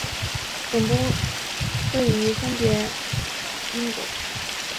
总部位于分别英国。